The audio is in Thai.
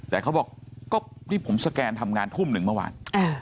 แต่เขาบอกก็นี่ผมสแกนทำงานทุ่มหนึ่งเมื่อวาน